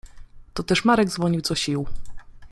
Toteż Marek dzwonił co sił.